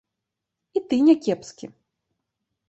І ты не кепскі.